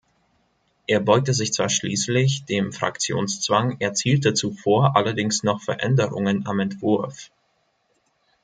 Er beugte sich zwar schließlich dem Fraktionszwang, erzielte zuvor allerdings noch Veränderungen am Entwurf.